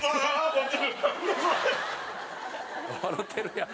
「もう笑てるやん」